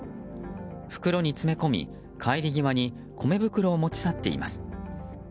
袋に詰め込み、帰り際に米袋を持ち去っています。